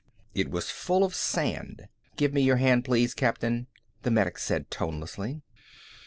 It was full of sand. "Give me your hand, please, Captain," the medic said tonelessly.